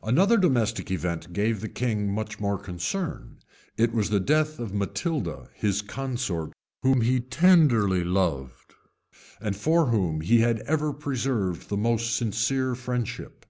{1083.} Another domestic event gave the king much more concern: it was the death of Matilda, his consort, whom he tenderly loved, and for whom he had ever preserved the most sincere friendship.